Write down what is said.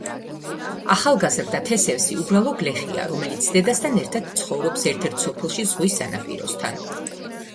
ახალგაზრდა თესევსი უბრალო გლეხია, რომელიც დედასთან ერთად ცხოვრობს ერთ-ერთ სოფელში ზღვის სანაპიროსთან.